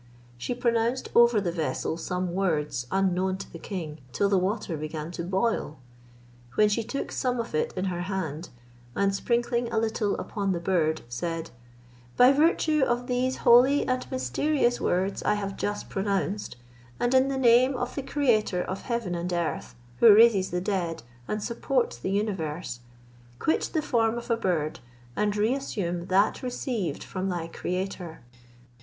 She pronounced over the vessel some words unknown to the king, till the water began to boil; when she took some of it in her hand, and sprinkling a little upon the bird, said, "By virtue of those holy and mysterious words I have just pronounced, and in the name of the Creator of heaven and earth, who raises the dead, and supports the universe, quit the form of a bird, and re assume that received from thy Creator."